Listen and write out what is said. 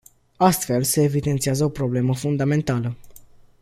Astfel, se evidențiază o problemă fundamentală.